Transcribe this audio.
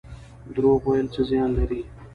دروغ ویل څه زیان لري؟